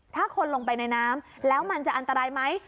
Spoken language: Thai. ถ้าคนลงไปในน้ำแล้วมันจะอันตรายไหม